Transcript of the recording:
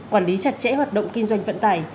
quản lý chặt chẽ hoạt động kinh doanh vận tải